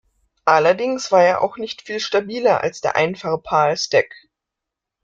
Allerdings war er auch nicht viel stabiler als der einfache Palstek.